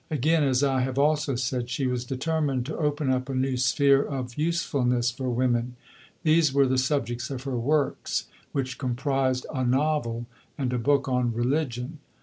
Again, as I have also said, she was determined to open up a new sphere of usefulness for women. These were the subjects of her "Works," which comprised "a Novel" and a book on "Religion."